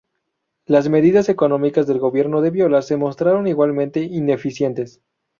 Las medidas económicas del gobierno de Viola se mostraron igualmente ineficientes.